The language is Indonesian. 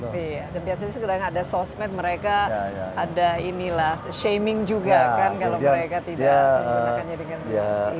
dan biasanya sekarang ada sosmed mereka ada ini lah shaming juga kan kalau mereka tidak menggunakannya dengan baik